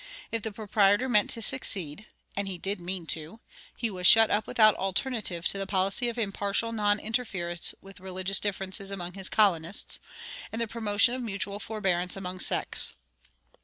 If the proprietor meant to succeed (and he did mean to) he was shut up without alternative to the policy of impartial non interference with religious differences among his colonists, and the promotion of mutual forbearance among sects.